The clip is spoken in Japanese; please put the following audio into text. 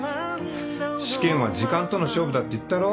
試験は時間との勝負だって言ったろ？